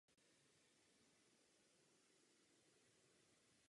Potom se rozhodl zaměřit na zpěv.